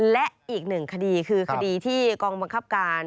และอีกหนึ่งคดีคือคดีที่กองบังคับการ